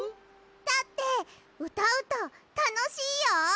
だってうたうとたのしいよ！